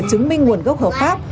chứng minh nguồn gốc hợp pháp